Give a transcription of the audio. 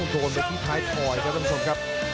โดนไปที่ท้ายถอยครับท่านผู้ชมครับ